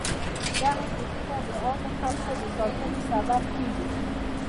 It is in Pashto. دغه کودونه د عامو خلکو د ساتنې سبب کیږي.